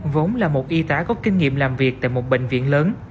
vốn là một y tá có kinh nghiệm làm việc tại một bệnh viện lớn